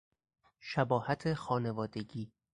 شباهت خانوادگی